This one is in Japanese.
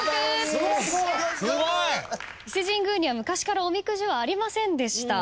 伊勢神宮には昔からおみくじはありませんでした。